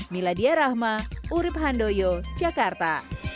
miladia rahma urib handoyo jakarta